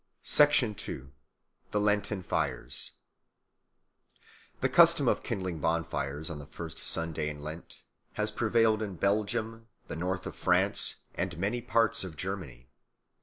2. The Lenten Fires THE CUSTOM of kindling bonfires on the first Sunday in Lent has prevailed in Belgium, the north of France, and many parts of Germany.